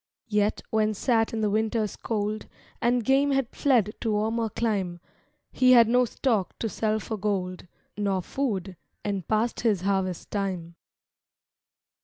Yet, when sat in the winter's cold And game had fled to warmer clime, He had no stock to sell for gold, Nor food: and past his harvest time.